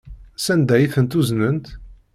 Sanda ay tent-uznent?